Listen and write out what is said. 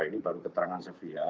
ini baru keterangan